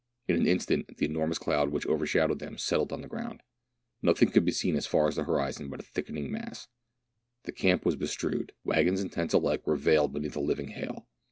In an instant the enormous cloud which overshadowed them settled on the ground. Nothing could be seen as far as the horizon but the thickening mass. The camp was bestrewed ; wag gons and tents alike were veiled beneath the living hail.